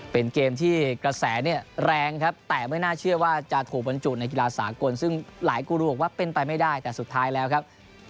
เป็นเกมที่กระแสเนี่ยแรงครับแต่ไม่น่าเชื่อว่าจะถูกบรรจุในกีฬาสากลซึ่งหลายกูรูบอกว่าเป็นไปไม่ได้แต่สุดท้ายแล้วครับ